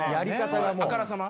あからさま？